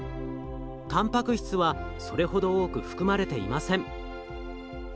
たんぱく質はそれほど多く含まれていません。